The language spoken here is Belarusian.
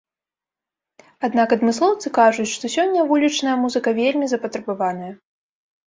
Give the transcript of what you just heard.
Аднак адмыслоўцы кажуць, што сёння вулічная музыка вельмі запатрабаваная.